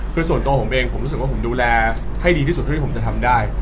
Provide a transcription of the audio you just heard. คือส่วนตัวผมเองผมรู้สึกว่าผมดูแลให้ดีที่สุดเท่าที่ผมจะทำได้